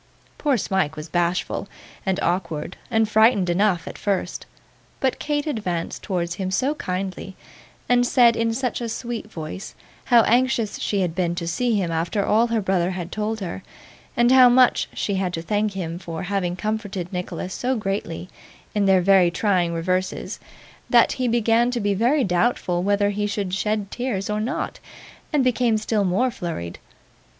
Poor Smike was bashful, and awkward, and frightened enough, at first, but Kate advanced towards him so kindly, and said, in such a sweet voice, how anxious she had been to see him after all her brother had told her, and how much she had to thank him for having comforted Nicholas so greatly in their very trying reverses, that he began to be very doubtful whether he should shed tears or not, and became still more flurried.